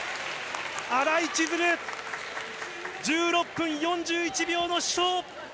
新井千鶴、１６分４１秒の死闘。